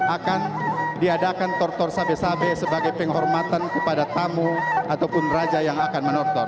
akan diadakan kenyataan nozzle tautan sebagai penghormatan kepada tamu ataupun kata yang akan manortor